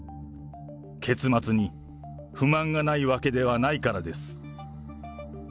結末に不満がないわけではないからです。